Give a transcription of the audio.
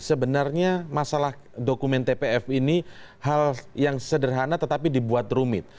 sebenarnya masalah dokumen tpf ini hal yang sederhana tetapi dibuat rumit